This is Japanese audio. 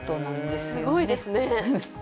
すごいですね。